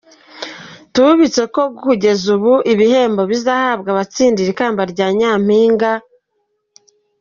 Tubibutse ko kugeza ubu ibihembo bizahembwa uzatsindira ikamba rya Nyampinga w’u